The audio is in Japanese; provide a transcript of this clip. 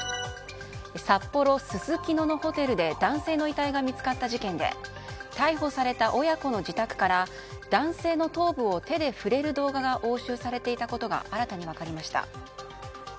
札幌・すすきののホテルで男性の遺体が見つかった事件で逮捕された親子の自宅から男性の頭部を手で触れる動画が押収されていたことが新たに分かりました。